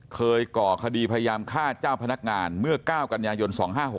ก่อคดีพยายามฆ่าเจ้าพนักงานเมื่อ๙กันยายน๒๕๖๖